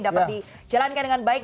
dapat dijalankan dengan baik